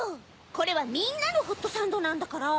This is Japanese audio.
これはみんなのホットサンドなんだから！